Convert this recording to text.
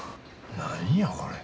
何やこれ。